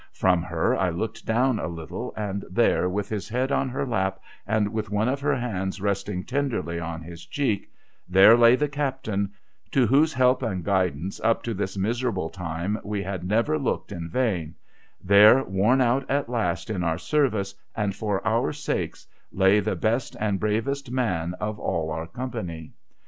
From her, I looked down a little, and there, with his head on her lap, and with one of her hands resting tenderly on his cheek — there lay the Captain, to whose help and guidance, up to this miserable time, we had never looked in vain, — there, worn out at last in our service, and for our sakes, lay the best and bravest man of all our company.